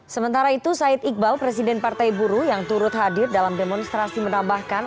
sementara itu said iqbal presiden partai buruh yang turut hadir dalam demonstrasi menambahkan